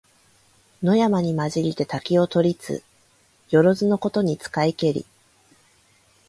野山にまじりて竹を取りつ、よろづのことに使いけり。